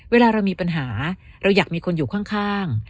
เวลาเรามีปัญหาเราอยากมีคนอยู่ข้าง